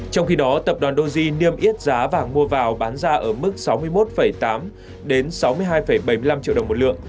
trong khi đó tập đoàn doge niêm yết giá vàng mua vào bán ra ở mức sáu mươi một tám sáu mươi hai bảy mươi năm triệu đồng một lượng